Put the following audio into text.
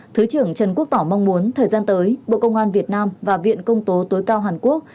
thứ trưởng trần quốc tỏ mong muốn thời gian tới bộ công an việt nam và viện công tố tối cao hàn quốc